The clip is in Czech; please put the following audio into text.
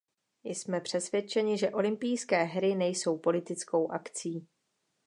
Jsme přesvědčeni, že olympijské hry nejsou politickou akcí.